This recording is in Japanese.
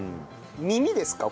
耳ですか？